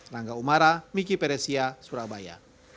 rangga umara miki peresia surabaya